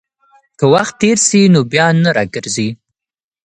که وخت تېر سي، نو بيا نه راګرځي.